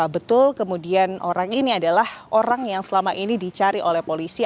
betul kemudian orang ini adalah orang yang selama ini dicari oleh polisi